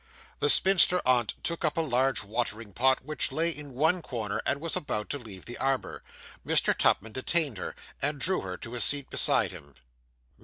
The spinster aunt took up a large watering pot which lay in one corner, and was about to leave the arbour. Mr. Tupman detained her, and drew her to a seat beside him.